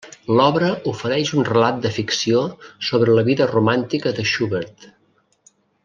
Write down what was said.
L'obra ofereix un relat de ficció sobre la vida romàntica de Schubert.